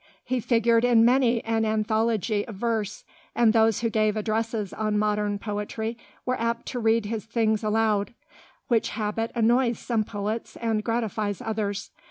He figured in many an anthology of verse, and those who gave addresses on modern poetry were apt to read his things aloud, which habit annoys some poets and gratifies others.